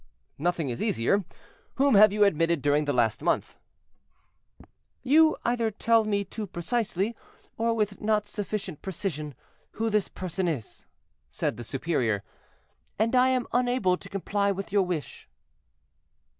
"Nothing is easier. Whom have you admitted during the last month?" "You either tell me too precisely, or with not sufficient precision, who this person is," said the superior, "and I am unable to comply with your wish."